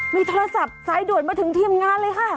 มีโทรศัพท์สายด่วนมาถึงทีมงานเลยค่ะ